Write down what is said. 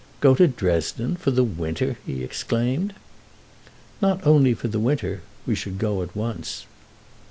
"Go to Dresden; for the winter!" he exclaimed. "Not only for the winter. We should go at once."